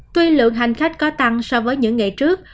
tuy lượng hành khách có tăng so với những ngày trước